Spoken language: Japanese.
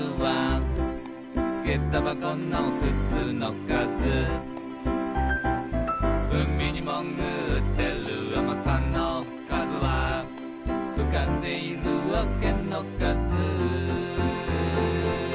「げたばこのくつのかず」「うみにもぐってるあまさんのかずは」「うかんでいるおけのかず」